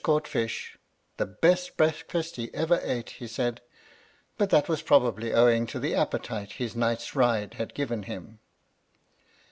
127 caught fish —' the best breakfast he ever ate/ he said, but that was probably owing to the appetite his night's ride had given him.